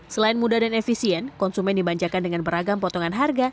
selain mudah dan efisien konsumen dimanjakan dengan beragam potongan harga